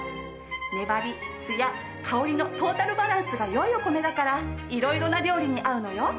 粘りつや香りのトータルバランスが良いお米だから色々な料理に合うのよ。